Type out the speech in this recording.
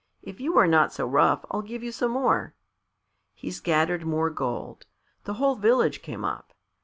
If you are not so rough I'll give you some more." He scattered more gold. The whole village came up.